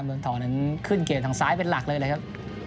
เมืองทองนั้นขึ้นเกมทางซ้ายเป็นหลักเลยเลยครับ